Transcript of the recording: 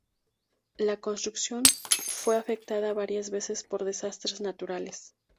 La construcción fue afectada varias veces por desastres naturales.